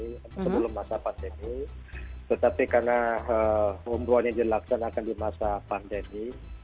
sebelum masa pandemi tetapi karena umroh ini dilaksanakan di masa pandemi